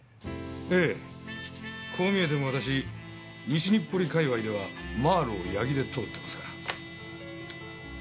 ええこう見えても私西日暮里界隈ではマーロウ・矢木で通ってますから。